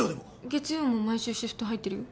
月曜も毎週シフト入ってるよ。